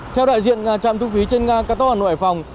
theo đại diện chạm thu phí trên cao tốc hà nội hài phong